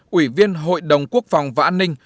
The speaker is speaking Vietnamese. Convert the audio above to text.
quỷ viên hội đồng quốc phòng và an ninh